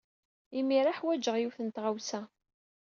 Imir-a, ḥwajeɣ yiwet n tɣawsa.